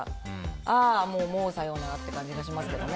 ああ、もうさようならっていう感じがしますよね。